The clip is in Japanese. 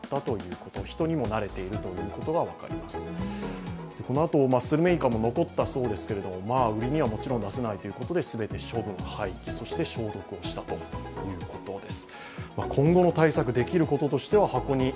このあとスルメイカも残ったそうですけれどもこのあとスルメイカも残ったそうですけど、売りには全て出せないということで全て処分・廃棄、そして消毒したということです